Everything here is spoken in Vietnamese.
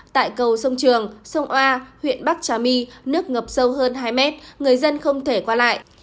tại cầu sông trường sông oa huyện bắc trà my nước ngập sâu hơn hai mét người dân không thể qua lại